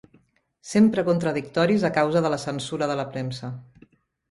Sempre contradictoris a causa de la censura de la premsa